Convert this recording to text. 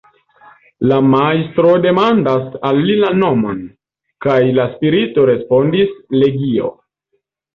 La Majstro demandas al li la nomon, kaj la spirito respondis: "legio".